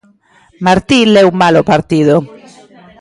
Martí leu mal o partido.